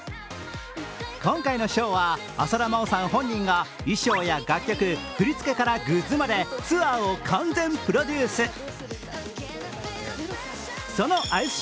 今回のショーは浅田真央さん本人が衣装や楽曲、振り付けからグッズまでツアーを完全プロデュース。